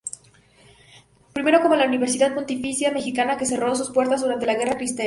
Primero como la Universidad Pontificia Mexicana que cerró sus puertas durante la Guerra Cristera.